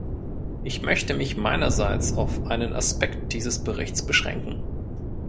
Ich möchte mich meinerseits auf einen Aspekt dieses Berichts beschränken.